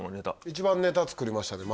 一番ネタ作りましたね